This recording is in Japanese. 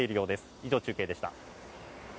以上、中継でした。